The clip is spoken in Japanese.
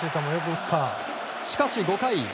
しかし、５回。